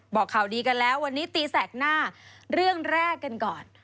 บอกข่าวดีกันแล้ววันนี้ตีแสกหน้าเรื่องแรกกันก่อน